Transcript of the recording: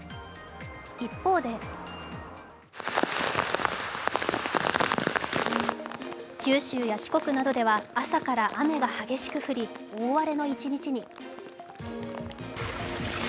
一方で九州や四国などでは朝から雨が激しく降り大荒れの一日に。